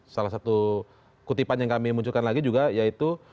salah satu kutipan yang kami munculkan lagi juga yaitu